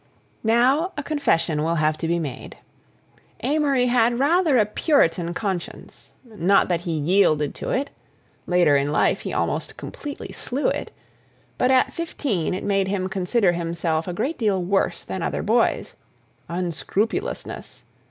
Now a confession will have to be made. Amory had rather a Puritan conscience. Not that he yielded to it—later in life he almost completely slew it—but at fifteen it made him consider himself a great deal worse than other boys... unscrupulousness...